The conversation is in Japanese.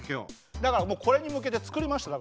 だからこれに向けて作りましたから。